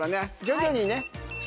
徐々にね。